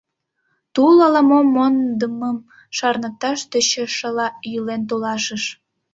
Тул ала-мом мондымым шарныкташ тӧчышыла йӱлен толашыш.